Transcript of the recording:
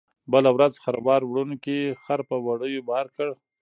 بله ورځ خروار وړونکي خر په وړیو بار کړ.